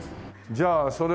じゃあそれを。